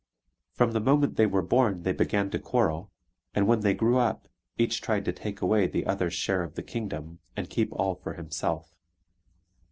From the moment they were born they began to quarrel; and when they grew up each tried to take away the other's share of the kingdom, and keep all for himself.